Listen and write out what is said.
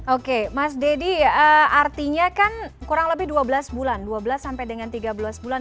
oke mas deddy artinya kan kurang lebih dua belas bulan dua belas sampai dengan tiga belas bulan